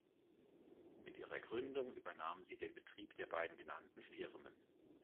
Mit ihrer Gründung übernahm sie den Betrieb der beiden genannten Firmen.